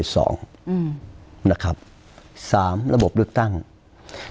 สามระบบฤตังค์